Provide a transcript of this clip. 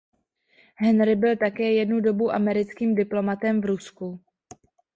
Henry byl také jednu dobu americkým diplomatem v Rusku.